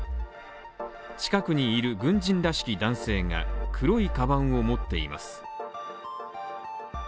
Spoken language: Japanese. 近くにいる軍人らしき男性が黒いかばんを持っています。